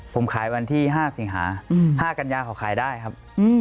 ผมขายวันที่๕สิงหา๕กัญญาเขาขายได้ครับ